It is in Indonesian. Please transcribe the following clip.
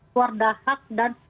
keluar dahak dan